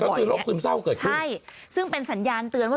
ก็คือโรคซึมเศร้าเกิดขึ้นใช่ซึ่งเป็นสัญญาณเตือนว่า